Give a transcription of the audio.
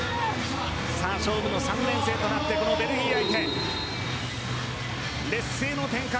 さあ、勝負の３連戦となってベルギー相手に劣勢の展開